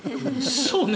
そうね。